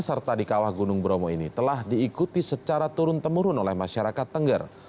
serta di kawah gunung bromo ini telah diikuti secara turun temurun oleh masyarakat tengger